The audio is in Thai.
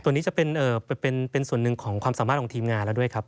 ตัวนี้จะเป็นส่วนหนึ่งของความสามารถของทีมงานแล้วด้วยครับ